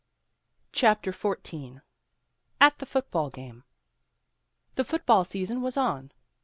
CHAPTER XIV AT THE FOOT BALL GAME THE foot ball season was on.